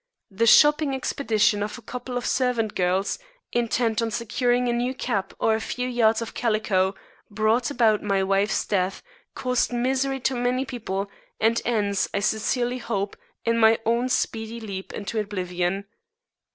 The shopping expedition of a couple of servant girls, intent on securing a new cap or a few yards of calico, brought about my wife's death, caused misery to many people, and ends, I sincerely hope, in my own speedy leap into oblivion.